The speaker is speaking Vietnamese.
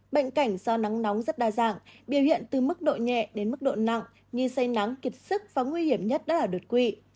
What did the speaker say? bệnh cảnh do nắng nóng rất đa dạng biểu hiện từ mức độ nhẹ đến mức độ nặng nhi say nắng kiệt sức và nguy hiểm nhất đã là đột quỵ